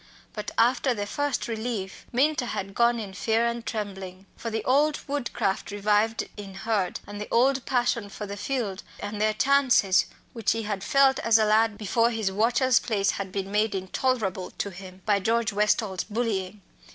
But after the first relief Minta had gone in fear and trembling. For the old woodcraft revived in Hurd, and the old passion for the fields and their chances which he had felt as a lad before his "watcher's" place had been made intolerable to him by George Westall's bullying.